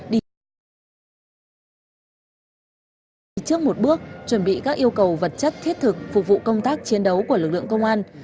trước một bước chuẩn bị các yêu cầu vật chất thiết thực phục vụ công tác chiến đấu của lực lượng công an